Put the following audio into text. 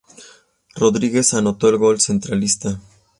Rodríguez anotó el gol centralista.